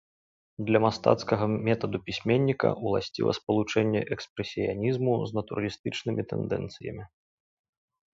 Для мастацкага метаду пісьменніка ўласціва спалучэнне экспрэсіянізму з натуралістычнымі тэндэнцыямі.